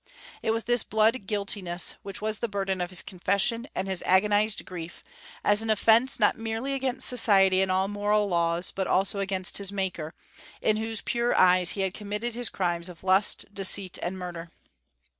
It was this blood guiltiness which was the burden of his confession and his agonized grief, as an offence not merely against society and all moral laws, but also against his Maker, in whose pure eyes he had committed his crimes of lust, deceit, and murder.